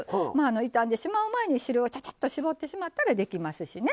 傷んでしまう前に汁をちゃちゃっと搾ってしまったらできますしね。